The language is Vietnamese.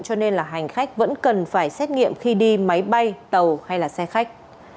cho nên là hành khách vẫn cần phải xét nghiệm khi đi máy bay tàu hay là xe khách